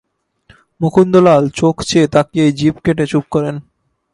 মুকুন্দলাল চোখ চেয়ে তাকিয়েই জিভ কেটে চুপ করেন।